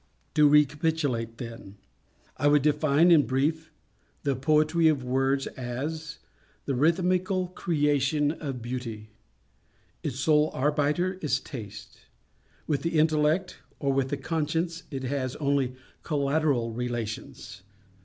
To recapitulate then:—I would define, in brief, the Poetry of words as _The Rhythmical Creation of Beauty. _Its sole arbiter is Taste. With the Intellect or with the Conscience it has only collateral relations.